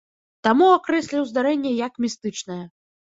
Таму акрэсліў здарэнне як містычнае.